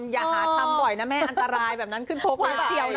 อย่าหาทำบ่อยนะแม่อันตรายแบบนั้นขึ้นพกนิดเดียวนะ